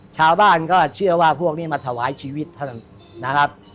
ชาวบ้านก็เชื่อว่าพวกนี้มาถวายชีวิตเท่านั้นนะครับ